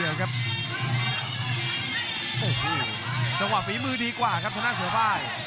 โอ้โหจังหวะฝีมือดีกว่าครับทางด้านเสือป้าย